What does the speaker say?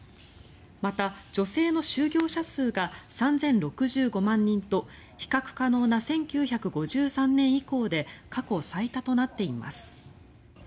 また、女性の就業者数が３０６５万人と比較可能な１９５３年以降で過去最多となっています。